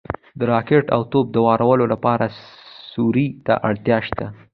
د راکټ او توپ د وارولو لپاره سروې ته اړتیا شته